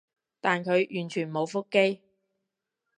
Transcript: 但佢完全冇覆機